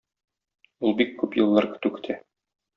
Ул бик күп еллар көтү көтә.